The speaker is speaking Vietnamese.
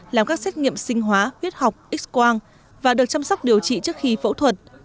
làm các xét nghiệm sinh hóa huyết học x quang và được chăm sóc điều trị trước khi phẫu thuật